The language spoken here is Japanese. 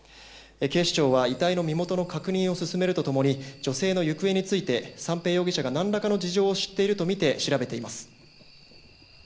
警視庁は遺体の身元の確認を進めるとともに女性の行方について三瓶容疑者がなんらかの事情を知っているとみて調べています。